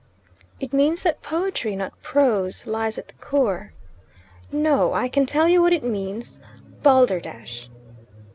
"It means that poetry, not prose, lies at the core." "No. I can tell you what it means balder dash."